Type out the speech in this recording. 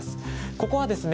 ここはですね